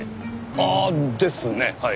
ああですねはい。